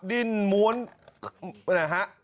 ดินหมุน